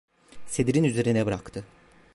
Sedirin üzerine bıraktı.